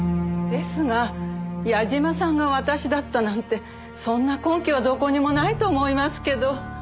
ですが矢嶋さんが私だったなんてそんな根拠はどこにもないと思いますけど。